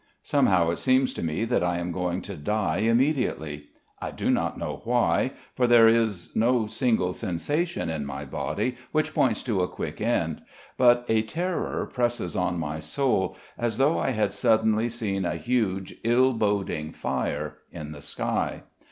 Somehow it seems to me that I am going to die immediately. I do not know why, for there is no single sensation in my body which points to a quick end; but a terror presses on my soul as though I had suddenly seen a huge, ill boding fire in the sky.